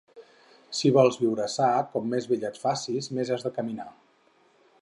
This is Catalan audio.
Si vols viure sa, com més vell et facis, més has de caminar.